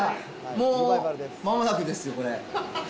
もう間もなくですよ、これ。